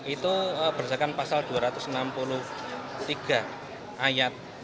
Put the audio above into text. itu berdasarkan pasal dua ratus enam puluh tiga ayat